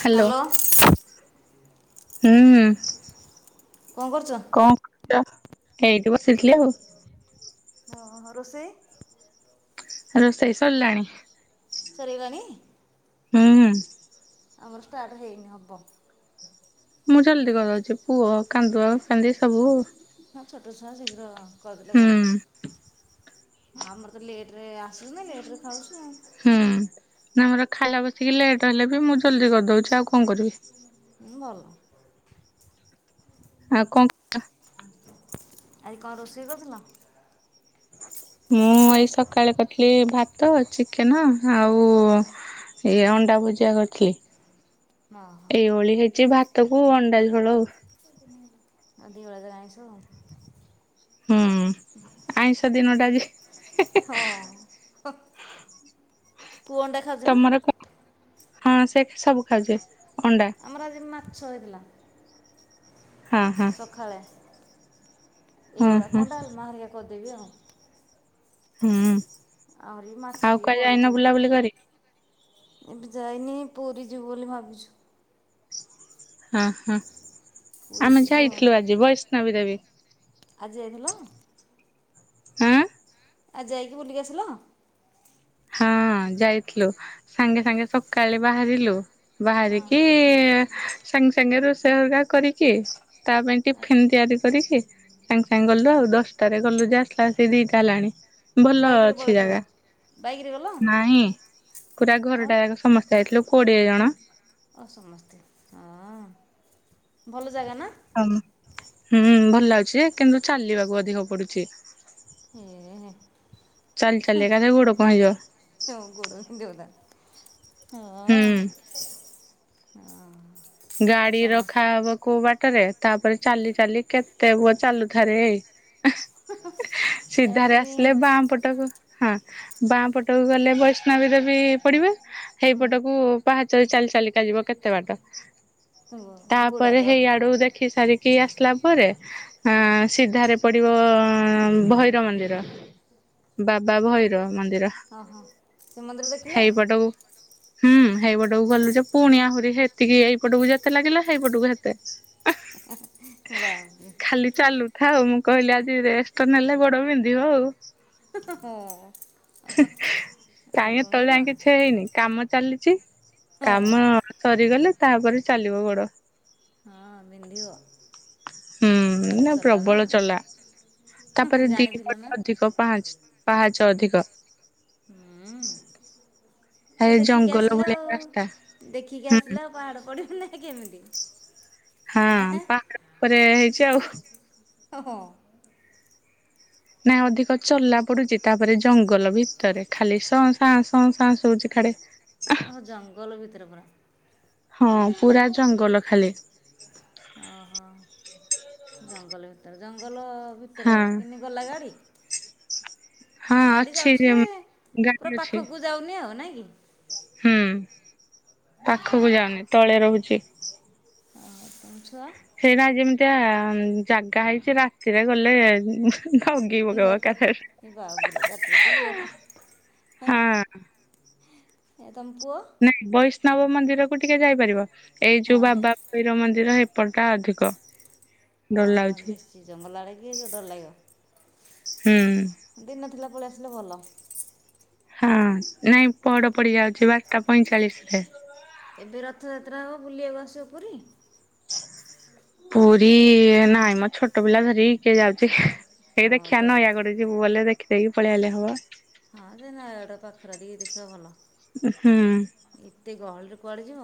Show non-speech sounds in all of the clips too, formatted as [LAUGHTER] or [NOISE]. Hello. ହୁଁ କଣ କରୁଛ? କଣ ଏଇଠି ବସିଥିଲି ଆଉ। ଓ ହୋ ରୋଷେଇ? ରୋଷେଇ ସରିଲାଣି। ସରିଗଲାଣି? ହୁଁ। ଆମର ଷ୍ଟାର୍ଟ ହେଇନି ହବ। ମୁଁ ଜଲ୍ଦି କରଉଛି ପୁଅ କାନ୍ଦୁଅ କାନ୍ଦି ସବୁ ହଁ ଛୋଟ ଛୁଆ ଶୀଘ୍ର କରିଦେଲେ ଭଲ। ହଁ ଆମର ତ ଲେଟ୍ରେ ଆସୁଛନି ଲେଟ୍ରେ ଖାଉଛୁ ଆଉ। ହୁଁ ନା ଆମର ଖାଇଲା ବସିକି ଲେଟ୍ ହେଲେ ବି ମୁଁ ଜଲଦି କରିଦଉଛି ଆଉ କଣ କରିବି ହୁଁ ଭଲ। ଆଉ କଣ [UNINTELLIGIBLE] ଆଜି କଣ ରୋଷେଇ କରୁଥିଲ? ମୁଁ ଏଇ ସକାଳେ କରିଥିଲି ଭାତ ଚିକେନ ଆଉ ଏଇ ଅଣ୍ଡା ଭୁଜିଆ କରିଥିଲି ହଁ ଏଇ ଓଳି ହେଇଛି ଭା ତ କୁ ଅଣ୍ଡାଛୋଳ ଉ। ଆ ଦି ଓଳେ ତାହାଲେ ଆଇଁସ ଆଉ। ହୁଁ ଆଇଁଷ ଦିନଟା ବି ହଁ ପୁଅ ଅଣ୍ଡା ଖାଉଛି ନା? ତମର କଁ ହଁ ସେ ସବୁ ଖାଉଛି ଅଣ୍ଡା। ଆମର ଆଜି ମାଛ ହେଇଥିଲା। ହଁ, ହଁ। ଖାଳେ ଏ ହଁ ଓଳା ହଁ। କଣ ଡାଲମା ହେରିକା କରିଦେବି ଆଉ। ହୁଁ ଆହୁରି ମାଛ ଆଉ ଟିକେ କୁଆଡେ ଯାଇନ ବଳିଚି। ବୁଲାବୁଲି କରି? ଏବେ ଯାଇନି ପୁରୀ ଯିବୁ ବୋଲି ଭାବିଛୁ। ହଁ ହଁ ପୁରୀ ଆମେ ଯିବୁ ଆଉ। ଯାଇଥିଲୁ ଆଜି ବୈଷ୍ଣବୀ ଦେବୀ। ଆଜି ଯାଇଥିଲ? ଆଁ? ଆଉ ଯାଇକି ବୁଲିକି ଆସିଲ? ହଁ ଯାଇଥିଲୁ ସାଙ୍ଗେ ସାଙ୍ଗେ ସକାଳେ ବାହାରିଲୁ ବାହାରିକି ସାଙ୍ଗେ ସାଙ୍ଗେ ରୋଷେଇ ହଗା କରିକି ତା ପାଇଁ ଟିଫିନ୍ ତିଆରି କରିକି- ସାଙ୍ଗେ ସାଙ୍ଗେ ଗଲୁ ଆଉ ଦଶଟାରେ ଗଲୁ ଯେ ଆସିଲା ଆସି ଦିଇଟା ହେଲାଣି ଭଲ ଅଛି ଜାଗା। ବାଇକ୍ ରେ ଗଲ? ନାହିଁ ପୁରା ଆଉ ଘରଟା ଯାକ ସମସ୍ତେ ଯାଇଥିଲୁ କୋଡିଏ ଜଣ। ଓ ସମସ୍ତେ ହଁ। ଭଲ ଜାଗା ନା? ହମ୍ ହୁଁ ଭଲ ଅଛି ଯେ କିନ୍ତୁ ଚାଲିବାକୁ ଅଧିକ ପଡୁଚି। ହେ ଚାଲି ଚାଲିକା ଖା ଗୋଡ଼ କଣ ହେଇଯିବ। ଗୋଡ଼ [UNINTELLIGIBLE] ହୁଁ। ହଁ ହଁ। ଗାଡି ସମସ୍ତେ ରଖାହବ କୋଉ ବାଟରେ ତାପରେ ଚାଲି ଚାଲି କେତେ ପୁଅ ଚାଲୁଥାରେ। ସିଧାରେ ତାପରେ ଆସିଲେ ବାଁ ପଟକୁ ହଁ ବାଁ ପଟକୁ ଗଲେ ବୈଷ୍ଣବୀ ଦେବୀ ପଡିବେ ହେଇପଟକୁ ପାହାଚରେ ଚାଲି ଚାଲିକା ଯିବ କେତେ ବାଟ। ଗୋଡ଼ ତାପରେ ହାତ ହେଇଆଡୁ ଦେଖି ସାରିକି ଆସିଲା ପରେ ଆଁ ସିଧାରେ ପଡିବ ଅଁ ଭୈର ମନ୍ଦିର ବାବା ଭୈର ମନ୍ଦିର। ହଁ ହଁ ଶ୍ରୀମନ୍ଦିର ଦେଖିଲେ? ହେଇପଟକୁ ହୁଁ ହେଇପଟକୁ ଗଲୁ ଯେ ପୁଣି ଆହୁରି ହେତିକି ଏଇ ପଟକୁ ଯେତେ ଲାଗିଲା ହେଇପଟକୁ ସେତେ ବାପରେ ଖାଲି ଚାଲୁ ଥାଉ ମୁଁ କହିଲି ଆଜି ରେଷ୍ଟ୍ ନେଲେ ଗୋଡ ବିନ୍ଧିବ ଆଉ। ହଁ। ଆଉ କାଇଁ କଣ ଏତଳେ କରିବ ଯାଏଁ କିଛି ହେଇନି କାମ ଚାଲିଚି ହଁ କାମ ସରିଗଲେ ତାପରେ ଚାଲିବ ଗୋଡ। ହଁ ବିନ୍ଧିବ। ହୁଁ ବହୁତ ବାଟ ଏଇନା ଚଲା ନା ପ୍ରବଳ ଚଲା ତାପରେ ଦି ଜାଣିଥିଲ ନା ପଟ ଅଧିକ ପାହାଚ। ପାହାଚ ଅଧିକ। ଏ ତ ଦେଖିକି ଜଙ୍ଗଲ ଆସିଲ ଭଳିଆ ଆଉ ରାସ୍ତା ଦେଖିକି ଆସିଲ ଆ ପାହାଡ଼ ପଡ଼ିବ ନାହିଁ କେମିତି। ହଁ ହେଁ ପାହାଡ ଉପରେ ହେଇଚି ଆଉ। ହଁ। ନାଇ ଅଧିକ ଚଲା ପଡୁଛି ତାପରେ ଜଙ୍ଗଲ ଭିତରେ ଖାଲି ସଁ, ଶାଁ ସଁ ଶାଁ ଶୁଭୁଛି ଖାଡି। [INAUDIBLE] ଓହଃ ଜଙ୍ଗଲ ଭିତରେ ପରା। ହଁ ପୁରା ଜଙ୍ଗଲ ଖାଲି। ଓହୋ ଜଙ୍ଗଲ ଭିତରେ ଜଙ୍ଗଲ ହଁ ଭିତରେ କିମିତି ଗଲା ଗାଡି? [INAUDIBLE] ଗାଡ଼ି ଅଛି ଯାଉଚି ଯେ ଗାଡି ପୁରା ଅଛି ପାଖକୁ ଯାଉନି ଆଉ ନାଇଁ କି? ହୁଁ। ଯେ ମୁଁ ଯାଉନି ତଳେ ରହୁଚି। ଓହୋ ଛୁଆ ସେଇଟ ଯେମିତିଆ ଜାଗା ହେଇଚି ରାତିରେ ଗଲେ [UNINTELLIGIBLE] [UNINTELLIGIBLE] ଏ ଏକାଥରେ। ହଁ ତମ ପୁଅ? ନାଇଁ ବୈଷ୍ଣବ ମନ୍ଦିରକୁ ଟିକେ ଯାଇପାରିବ ଏଇ ଯୋଉ ହଁ ବାବା ଭୈରବ ମନ୍ଦିର ହେ ପାପଟା ଅଧିକ, ଡର ଓହୋ ଲାଗୁଛି। ବେଶୀ ଜଙ୍ଗଲ ଆଡ଼େ କିଏ ଡର ଲାଗିବ। ହୁଁ। ଦିନ ଥିଲା ପଳେଇ ଆସିଲେ ଭଲ। ହଁ, ନାଇଁ ପହଡ ପଡି ଯାଉଛି ବାରଟା ପଇଁଚାଳିଶରେ। ଏବେ ରଥଯାତ୍ରା ହେବ ବୁଲିବାକୁ ଆସିବ ପୁରୀ? ପୁରୀ-ଈ-ଈ, ନାଇଁ ମ ଛୋଟ ପିଲା ଧରି କିଏ ଯାଉଛି। ଏଇ ହଁ ଦେଖିଆ ଦୋଳ ନୟାଗଡ଼ ଯିବୁ ବଲେ ଦେଖିଦେଇକି ପଳେଇ ଆଇଲେ ହବ। ହଁ ସେ ନୟାଗଡ ପାଖରେ ଟିକେ ଦେଖିବ ଭଲ। ହୁଁ। ଏତେ ଗହଳିରେ କୁଆଡେ ଯିବ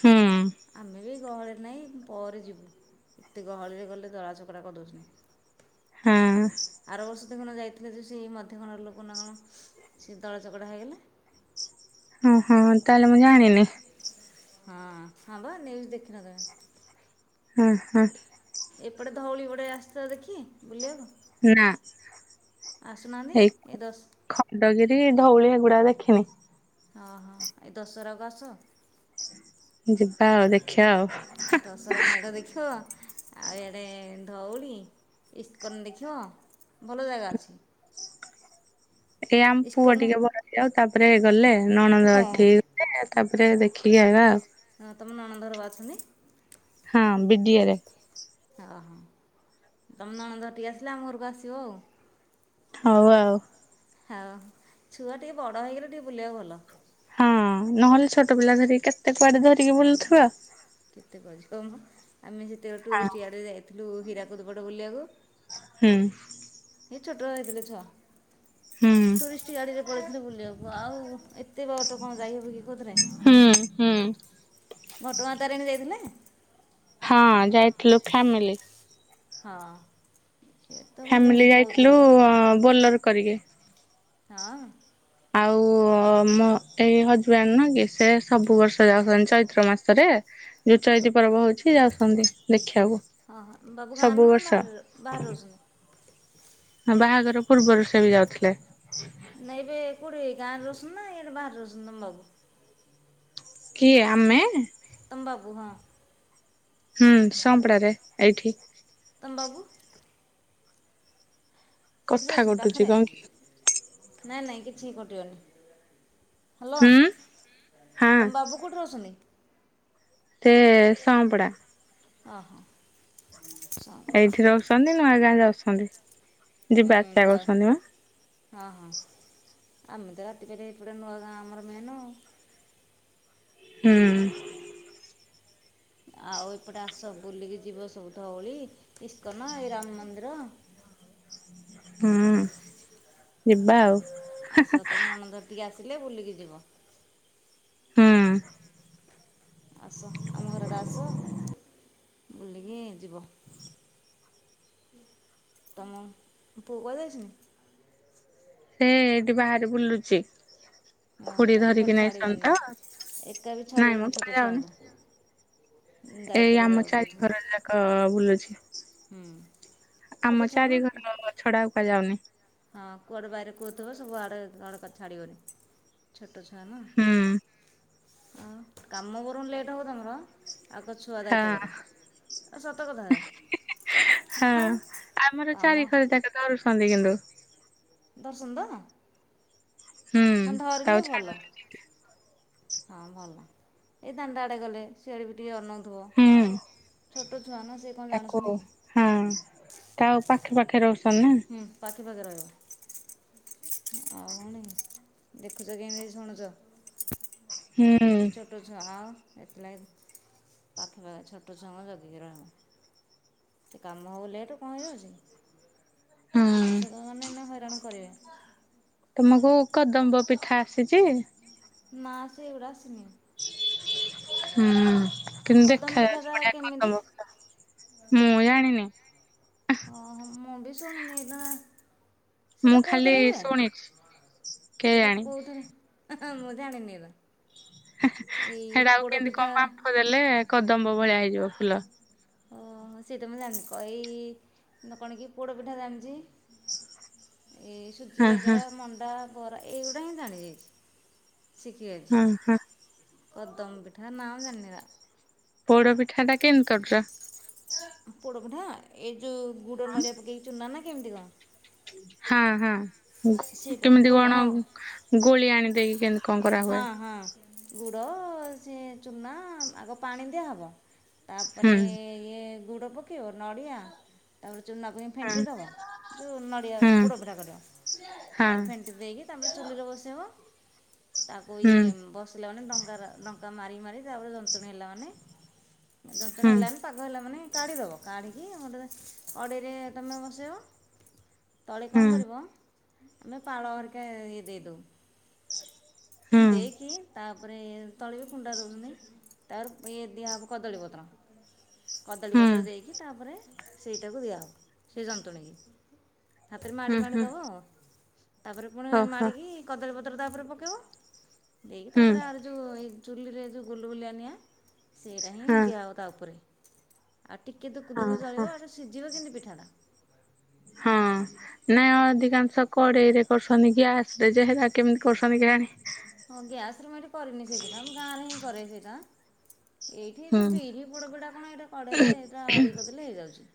ହୁଁ। ଆମେ ବି ଗହଳିରେ ନାଇଁ ପରେ ଯିବୁ, ଏତେ ଗହଳିରେ ଗଲେ ଦଳା ଚକଟା କରିଦେଉଛନ୍ତି। ହୁଁ। ଆର ବର୍ଷ ଦେଖୁନ ଯାଇଥିଲେ ଯୋଉ ସେଇ ମଧ୍ୟଗଣର ଲୋକ ନା କଣ ସେ ଦଳା ଚକଟା ହୋଇଇଗଲେ। ହୁଁ-ହୁଁ ତାହେଲେ ମୁଁ ଜାଣିନି। ହଁ-ହଁ, ହଁ ବା ନ୍ୟୁଜ ଦେଖିନ ତମେ। ହୁଁ-ହୁଁ। ଏପଟେ ଧଉଳି ପଡେ ଆସିଛ ଦେଖି ବୁଲିବାକୁ? ନା। ଆସୁନାହାନ୍ତି ଏଇ ଏ ଦଶ୍ ଖଣ୍ଡଗିରି ଧଉଳି ହେଗୁରା ଦେଖିନି। ହଁ-ହଁ, ଏ ଦଶହରାକୁ ଆସ। ଯିବା, ଆଉ ଦେଖିବା ଆଉ। ଦଶହରା ମେଢ ଦେଖିବ, ଆଉ ଏଆଡେ ଧଉଳି ଇଷ୍କନ ଦେଖିବ, ଭଲ ଜାଗା ଅଛି। ଟିକେ ଆମ୍ ପୁଅ ଇସ୍କନ ଟିକେ ବଡ ହେଇଯାଉ, ତାପରେ ଗଲେ ହଁ ନଣଦଠି ତାପରେ ଦେଖିକି ଆଇବା ଆଉ। ହଁ, ତମ ନଣନ୍ଦ ଘର ବା ଅଛନ୍ତି? ହଁ ବିଡିଏରେ। ହଁ-ହଁ, ତମ ନଣନ୍ଦ ଘରଠି ଆସିଲେ ଆମ ଘରକୁ ଆସିବ ଆଉ। ହଉ ଆଉ। ହଉ, ଛୁଆ ଟିକେ ବଡ଼ ହେଇଗଲେ ଟିକେ ବୁଲିବାକୁ ଭଲ। ହଁ, ନହେଲେ ଛୋଟ ପିଲା ଧରି କେତ୍ ହୁଁ-ଉଁ, କେତେ [UNINTELLIGIBLE] ଆମେ ଯେତେବେଳେ ହଁ ଟୁରିଷ୍ଟ ଗାଡିରେ ଯାଇ ଥିଲୁ ହୀରାକୁଦ ପଟ ବୁଲିବାକୁ। ହୁଁ। ଏ ଛୋଟ ହେଇଥିଲେ ଛୁଆ। ହୁଁ। ସେ ଗାଡ଼ିରେ ପଳେଇଥିଲୁ ବୁଲିବାକୁ ଆଉ ଏତେ ବାଟ କଣ ଯାଇହବ କି କୋଉଥିରେ। ହୁଁ ହୁଁ। ଘଟଗାଁ ତାରିଣୀ ଯାଇଥିଲେ? ହଁ ଯାଇଥିଲୁ ଫ୍ୟାମିଲି। ହଅ। ଫ୍ୟାମିଲି ଯାଇଥିଲୁ ବୋଲେର କରିକି। ହଁଅ? ଆଉ ମୋ ଏଇ ହଜବେଣ୍ଡ ନୁହଁ କି ସେ ସବୁ ବର୍ଷ ଯାଉଛନ୍ତି ଚୈତ୍ର ମାସରେ। ଯୋଉ ଚଇତି ପର୍ବ ହଉଛି ଯାଉଛନ୍ତି ଦେଖିବାକୁ ହଁ ହଁ ବାବୁ ଗାଁରେ ସବୁ ନା ବର୍ଷ। ବାହାରେ ବାହାରେ ରହୁଛନ୍ତି ହଁ ବାହାଘର ପୂର୍ବରୁ ସେ ବି ଯାଉଥିଲେ। ନାଇଁ ଏବେ କୋଉଠି ଗାଁରେ ରହୁ ଛନ୍ତି ନା ଇଆଡେ ବାହାରେ ରହୁଛନ୍ତି ତମ ବାବୁ। କିଏ ଆମେ। ତମ ବାବୁ ହଁ। ହୁଁ ସଂପଡା ରେ ଏଇଠି। ତମ ବାବୁ। ସେଇଠି କଥା ରହୁଛନ୍ତି କଟୁଛି ପାଖରେ। କଣ କି ନାଇଁ ନାଇଁ କିଛି ହିଁ କଟିବନି ହାଲୋ। ହୁଁ ହଁ ତମ ବାବୁ କୋଉଠି ରହୁଛନ୍ତି। ସେ ସଂପଡ଼ା। ଅ ହଁ ସଂ। ଏଇଠି ରହୁଛନ୍ତି ନୂଆ ଗାଁ ଯାଉଛନ୍ତି। ଯିବା ହୁଁ ଆସିବା ନୂଆ। କରୁଛନ୍ତି ମ ହଁ ହଁ ଆମେ ତ ରାତି ପାହିଲେ ହେଇପଟେ ନୂଆ ଗାଁ ଆମର ମେନ ଆଉ। ହୁଁ। ଆଉ ଏପଟେ ଆସ ବୁଲିକି ଯିବ ସବୁ ଧଉଳି ଇସ୍କନ ଏଇ ରାମ ମନ୍ଦିର। ହୁଁ ଯିବା ଆଉ। ଆସ ତମେ ନଣଦ ଘଟିକି ଆସିଲେ ବୁଲିକି ଯିବ। ହୁଁ। ଆସ ଆମ ଘର ଆଡେ ଆସ ବୁଲିକି ଯିବ। ତମ ପୁଅ କୁଆଡେ ଯାଇଛନ୍ତି। ସେ ଏଇଠି ବାହାରେ ବୁଲୁଚି। ହଁ ଖୁଡି ତାକୁ ଧରିକି କୁଆଡ଼େ ନେଇ ଛନ୍ତି ଛାଡ଼ିବନି ତ ଏକା ବି ନାଇଁ ମ ଛାଡ଼ିବନି ଛୋଟ କୁଆଡେ ଯାଉନି। ଛୁଆଙ୍କୁ ଏଇ ଦାୟିତ୍ୱରେ ଆମ ଚାରି ଜଗୁଥିବ ଘର ଯା କ ବୁଲୁଛି ହୁଁ ଛୋଟ ଆମ ଛୁଆ ନା ଚାରି ଘରକ ଛଡା ଆଉ କୁଆଡେ ଯାଉନି। ହଁ କୁଆଡେ ବାଇ ରେ କୁଅ ଥିବ ସବୁ ଆଡେ ଜଳ କା ଛାଡିବନି। ଛୋଟ ଛୁଆ ନା ହୁଁ ଆଉ କାମ ବରଂ ଲେଟ୍ ହଉ ତମର। ଆଗ ଛୁଆ ଦାୟିତ୍ଵ ହଁ କର ଆଉ ସତ କଥା ଯେ। ହଁ ହାଆଉ ଆମର ଚାରି କାମ। ଘର ଯାକ ଧରୁଛନ୍ତି କିନ୍ତୁ। ଧରୁଛନ୍ତି ତ। ହୁଁ ହଁ ତାକୁ ଧରିଲେ ଭଲ। ଛାଡୁନି ହଁ ଭଲ ଏଇ ଦାଣ୍ଡ ଆଡ଼େ ଗଲେ ସିଆଡ଼େ ବି ଟିକେ ଅନଉଥିବ। ହୁଁ ଛୋଟ ଛୁଆ ନା ସେ କଣ ତାକୁ ଜାଣୁଛନ୍ତି କି। ହଁ ତା ଆଉ ପାଖେ ପାଖେ ରହୁଛନ୍ତି ନା। ହୁଁ ପାଖେ ପାଖେ ରହିବ ଆଉ କଣ କି। ଦେଖୁଛ କେଁ ତି ହେଇ ଶୁଣୁଛ। ହୁଁ। ଏ ଛୋଟ ଛୁଆ ଆଉ ସେଥିଲାଗି ପାଖେ ପାଖେ ଛୋଟ ଛୁଆଙ୍କୁ ଜଗିକି ରହିବ। ସେ କାମ ହଉ ଲେଟ କଣ ହେଇ ଯାଉଛି। ଛୋଟ ହଁ। ଛୁଆ ତ ମାନେ ଏଇନା ହଇରାଣ କରିବେ। ତମକୁ କଦମ୍ବ ପିଠା ଆସିଛି। ନା ସେ ଗୁଡ଼ା ଆସିନି। ହୁଁ। କିନ୍ତୁ କଦମ ଦେଖାଯାଉଚି ପିଠାଟା ବଢିଆ କେମିତି କଦମ୍ୱ ମୁଁ ଜାଣିନି। ଓ ହୋ ମୁଁ ବି ସୁଣୁନି। [UNINTELLIGIBLE] ସେଇଟା ମୁଁ ଖାଲି କୋଉଥିରେ ହୁଏ? ଶୁଣିଛି ସେଟା କେଜାଣି। କୋଉ ଥରେ ମୁଁ ଜାଣିନି ଏରା। ଏଇ ହେଟା ଆଉ କେମିତି ପୋଡ଼ପିଠା [UNINTELLIGIBLE] ଦେଲେ କଦମ୍ବ ଭଳିଆ ହେଇଯିବ ଫୁଲ। ଓ ହୋ। ସେଇଟା ମୁଁ ଜାଣିନି। କ ଏଇ କଣ କି ପୋଡ଼ ପିଠା ଜାଣିଚି। ଏଇ ସୁଜି ହଁ ହଁ କାକେରା, ମଣ୍ଡା, ବରା ଏଇଗୁଡା ହିଁ ଜାଣିଯାଇଚି। ଶିଖିଯାଇଚି। ହଁ ହଁ କଦମ୍ୱ ପିଠା, ନା ମୁଁ ଜାଣିନି ଏରା। ପୋଡପିଠା ଟା କେମତି କରୁଚ? ପୋଡ଼ପଠା ଏ ଯୋଉ ଗୁଡ଼ ନଡ଼ିଆ ପକେଇକି ଚୁନା ନା କେମିତି କଣ? ହଁ ହଁ। ସେଇଟା ତ କେମିତି କଣ ହଁ ଗୋଳି ଆଣିଦେଇକି କେମିତି କଣ ହଁ କରାହୁଏ? ହଁ। ଗୁଡ ସେ ଚୁନା ଆଗ ପାଣି ଦିଆହବ। ହୁଁ ତାପରେ ଇଏ ଗୁଡ଼ ପକେଇବ ନଡ଼ିଆ ତାପରେ ଚୁନାକୁ ହୁଁ ଫେଣ୍ଟିଦବ, ଯୋଉ ନଡ଼ିଆ ହୁଁ ପୋଡପିଠା କରିବ। ହଁ ତାପରେ ଫେ ଣ୍ଟି ଦେଇକି ତାପରେ ଚୁଲିରେ ବସେଇବ। ତାକୁ ହୁଁ ଇଏ ବସିଲା ମାନେ ଡଙ୍ଗା ରା ଡଙ୍କା ମାରି ମାରି ତାପରେ ଜନ୍ତୁଣୀ ହେଲା ମାନେ ଜନ୍ତୁଣି ହୁଁ ହେଲାନି ପାଗ ହେଲା ମାନେ କାଢ଼ିଦେବ। କାଢ଼ିକି [UNINTELLIGIBLE] କଡ଼େଇରେ ତମେ ବସେଇବ। ତଳେ ହୁଁ କଣ କରିବ ଆମେ ପାଳ ହେରିକା ଇଏ ଦେଇଦଉ। ହୁଁ ଦେଇକି ତା ତାପରେ ତଳେ ବି କୁଣ୍ଡା ଦଉଛନ୍ତି। ତାପରେ ଇଏ ଦିଆହବ କଦଳୀପତ୍ର। ହୁଁ କଦଳୀପତ୍ର ଦେଇକି ତାପରେ ସେଇଟାକୁ ଦିଆହେବ, ସେ ଯନ୍ତୁଣୀକି। ହାତରେ ହୁଁ ମାଡ଼ି ମାଡ଼ି ହୁଁ ଦବ ଆଉ। ତାପରେ ପୁଣି ଓହୋ ମାଡ଼ିକି କଦଳୀପତ୍ର ତାପରେ ପକେଇବ। ଦେଇକି ହୁଁ ତାପରେ ଆର ଯୋଉ ଏଇ ଚୁଲିରେ ଯୋଉ ଗୁଲୁଗୁଲିଆ ନିଆଁ ସେଇରା ହଁ ହିଁ ଦିଆହେବ ତା ଉପରେ। ଆ ଟିକେ ଦୁକୁ ହଁ ଦୁକୁ ହଁ ଜଳିବ। ଏଟା ସିଝିବ କେମିତି ପିଠାଟା। ହଁ। ନାଇଁ ଅଧିକାଂଶ କଡେଇ ରେ କରୁସନ୍ତି ଗ୍ୟାସ ରେ ଯେ ହେରା କେମିତି କରୁସନ୍ତି କେଜାଣି। ହଁ ଗ୍ୟାସ ରେ ମୁଁ ଏଇଠି କରିନି ସେ ପିଠା। ମୁଁ ଗାଁରେ ହିଁ କରେ ସେଇଟା। ଏଇଠି ହେ ହୁଁ ଯୋଉ ବିରି ପୋଡପିଠା କଣ ଏଇଟା କଡ଼ରେ ଏଇଟା ଇଏ କରିଦେଲେ ହେଇଯାଉଚି।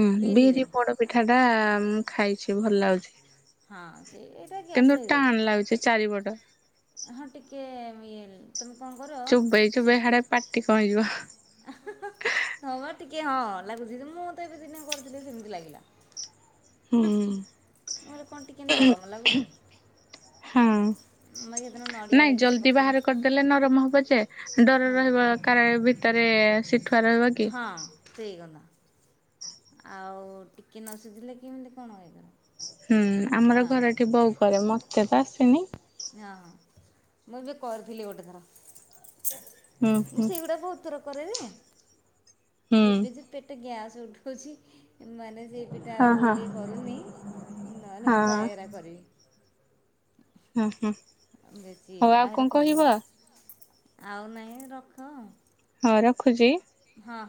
ହୁଁ। ବିରି ପୋଡପିଠା ଟା ମୁଁ ଖାଇଚି ଭଲ ଲାଗୁଚି। ହଁ ସେ ଏଇଟା ଗ୍ୟାସରେ କିନ୍ତୁ ହେଇଯାଉଛି ଟାଣ୍ ଲାଗୁଚି ଚାରିପଟ। ହଁ ଟିକେ ଇଏ ତମେ କଣ କର ଚୋବେଇ ସି ଚୋବେଇ [UNINTELLIGIBLE] ହଁ ପା ଟିକେ ହଁ ଲାଗୁଚି ଯେ ମୁଁ ତ ଏବେ ଦିନେ କରିଥିଲି ସେମିତି ଲାଗିଲା। ହୁଁ। ମୁଁ କହିଲି କଣ ଟିକେ ନରମ ଲାଗୁନି। ହୁଁ। ବାକି ସେଦିନ ନଡ଼ିଆ ନାଇଁ ହେରିକା କିଛି ଜଲଦି ବାହାର ପକେଇଲି କରିଦ ଦେଲେ ନରମ ହବ ଯେ। ଡର ରହିବ କାଳେ ଭିତରେ ସି ହଁ ସେଇ କଥା। ଆଉ ଟିକେ ନସିଜିଲେ କେମିତି କଣ। [UNINTELLIGIBLE] ହୁଁ। ଆମର ଟାନ୍ ଘରଠି ବୋଉ କରେ। ମତେ ତ ଆସିନି। ଅ ହଁ। ମୁଁ ଏବେ କରିଥିଲି ଗୋଟେ ଥର। ହୁଁ ମୁଁ ହୁଁ। ସେଇଗୁଡା ବହୁତଥର କରେ ଯେ, ହୁଁ ଏବେ ଯଉ ପେଟ ଗ୍ୟାସ୍ ଉଠଉଚି ମାନେ ସେଇ ପିଠା ହଁ ଆଉ ହଁ ଟିକେ କରୁନି, ନହେଲେ ମୁଁ ପ୍ରାୟ ହଁ ଏରା କରିବି। ହଁ ହଁ ବେସି ହଉ ଆଉ ଆ କଣ ହେରା କରୁନି। କହିବ? ଆଉ ନାଇଁ ରଖ। ହଁ ରଖୁଚି। ହଁ।